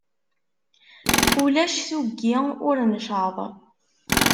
Ulac tuggi ur ncaḍ.